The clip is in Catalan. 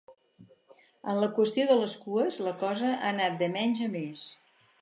En la qüestió de les cues, la cosa ha anat de menys a més.